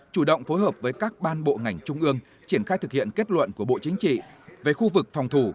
chủ động phối hợp với các ban bộ ngành trung ương triển khai thực hiện kết luận của bộ chính trị về khu vực phòng thủ